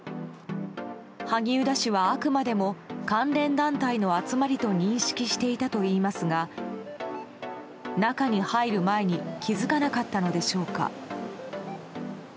萩生田氏はあくまでも関連団体の集まりと認識していたといいますが中に入る前に気づかなったのでしょうか。